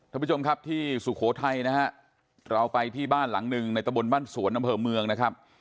ท่านผู้ชมครับที่สุโขทัยนะฮะเราไปที่บ้านหลังหนึ่งในตะบนบ้านสวนอำเภอเมืองนะครับ